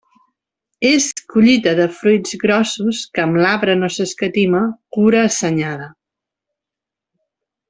És collita de fruits grossos, que amb l'arbre no s'escatima cura assenyada.